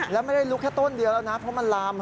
แล้วไม่ได้ลุกแค่ต้นเดียวแล้วนะเพราะมันลาม